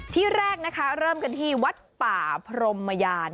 ที่แรกนะคะเริ่มกันที่วัดป่าพรมยาน